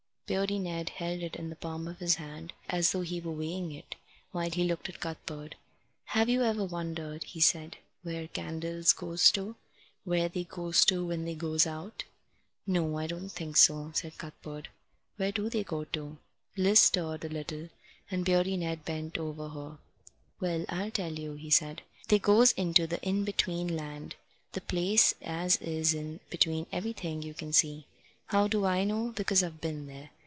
Beardy Ned held it in the palm of his hand, as though he were weighing it, while he looked at Cuthbert. "Have you ever wondered," he said, "where candles goes to where they goes to when they goes out?" "No, I don't think so," said Cuthbert. "Where do they go to?" Liz stirred a little, and Beardy Ned bent over her. "Well, I'll tell you," he said. "They goes into the In between Land the place as is in between everything you can see. How do I know? Because I've been there.